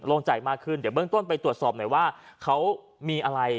ลงใจมากขึ้นเดี๋ยวเบื้องต้นไปตรวจสอบหน่อยว่าเขามีอะไร